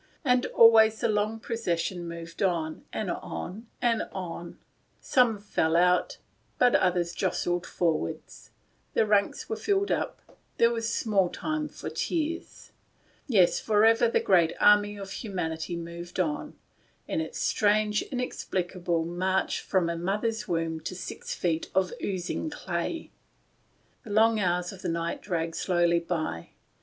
And always the long procession moved on, and on, and on ; some fell out, but others jostled forward; the ranks were filled up; THE GATE OF SILENCE. ' 279 there was small time for tears. l Yes, forever the great army of humanity moved on, on its strange inexplicable march from a mother's womb to six feet of oozing clay. The long hours of the night dragged slowly on.